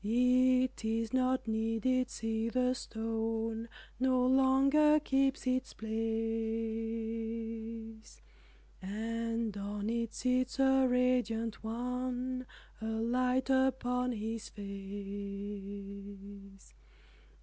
It is not needed, see the stone No longer keeps its place, And on it sits a radiant one A light upon his face.